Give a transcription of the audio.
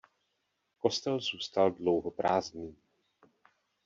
Kostel zůstal dlouho prázdný.